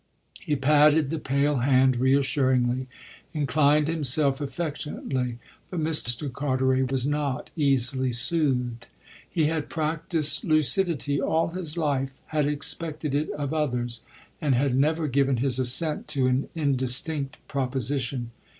He patted the pale hand reassuringly, inclined himself affectionately, but Mr. Carteret was not easily soothed. He had practised lucidity all his life, had expected it of others and had never given his assent to an indistinct proposition.